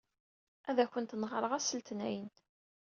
Ad akent-n-ɣṛeɣ ass Letnayen.